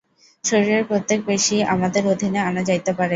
শরীরের প্রত্যেক পেশীই আমাদের অধীনে আনা যাইতে পারে।